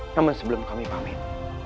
namun sebelum kami pamit